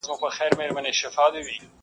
په نړۍ کي زموږ د توري شور ماشور وو٫